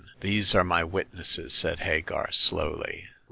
These are my witnesses," said Hagar, slowly.